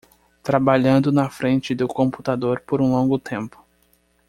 Trabalhando na frente do computador por um longo tempo